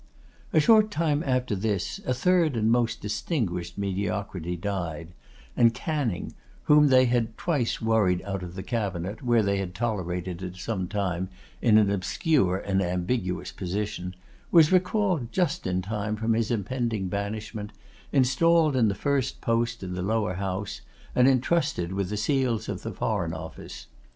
A short time after this, a third and most distinguished Mediocrity died; and Canning, whom they had twice worried out of the cabinet, where they had tolerated him some time in an obscure and ambiguous position, was recalled just in time from his impending banishment, installed in the first post in the Lower House, and intrusted with the seals of the Foreign Office.